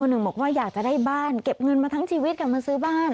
หนึ่งบอกว่าอยากจะได้บ้านเก็บเงินมาทั้งชีวิตกลับมาซื้อบ้าน